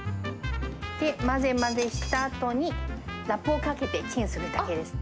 混ぜ混ぜしたあとに、ラップをかけてチンするだけです。